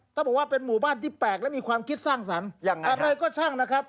เขาบอกว่าเป็นหมู่บ้านที่แปลกและมีความคิดสร้างสรรค์